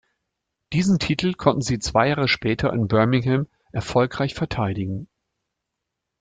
Diesen Titel konnte sie zwei Jahre später in Birmingham erfolgreich verteidigen.